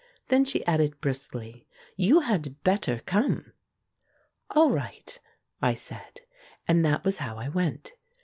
Then she added briskly, "You had better come!" "All right," I said. And that was how I went.